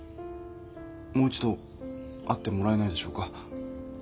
もう一度会ってもらえないでしょうか？